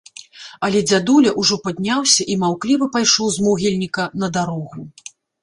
Але дзядуля ўжо падняўся і маўкліва пайшоў з могільніка на дарогу.